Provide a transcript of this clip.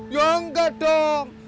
ya enggak dong